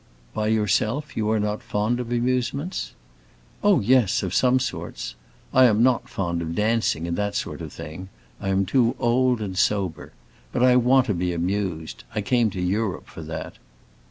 "By yourself, you are not fond of amusements?" "Oh yes, of some sorts. I am not fond of dancing, and that sort of thing; I am too old and sober. But I want to be amused; I came to Europe for that."